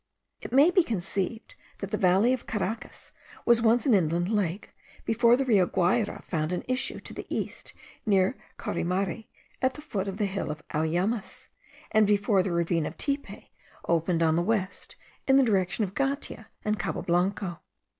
It may be conceived that the valley of Caracas was once an inland lake, before the Rio Guayra found an issue to the east near Caurimare, at the foot of the hill of Auyamas, and before the ravine of Tipe opened on the west, in the direction of Gatia and Cabo Blanco.